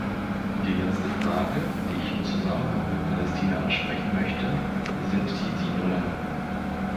Die letzte Frage, die ich im Zusammenhang mit Palästina ansprechen möchte, sind die Siedlungen.